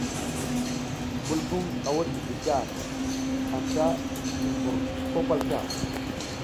Bumbulvung a wud mizli gar, anta zik mbur ko pal ta.